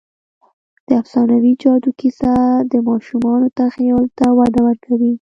د افسانوي جادو کیسه د ماشومانو تخیل ته وده ورکوي.